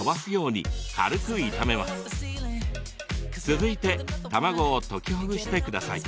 続いて卵を溶きほぐしてください。